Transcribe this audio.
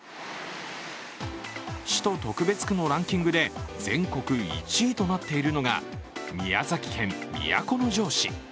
市と特別区のランキングで全国１位となっているのが宮崎県都城市。